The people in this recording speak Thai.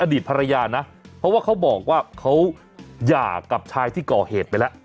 อดีตภรรยานะเพราะว่าเขาบอกว่าเขาหย่ากับชายที่ก่อเหตุไปแล้ว